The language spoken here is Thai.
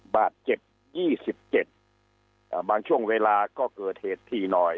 บาทเจ็บยี่สิบเจ็ดบางช่วงเวลาก็เกิดเหตุที่หน่อย